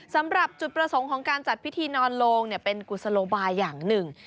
สำหรับจุดประสงค์ของการจัดพิธีนอนโลงเป็นกุศโลบายอย่างหนึ่ง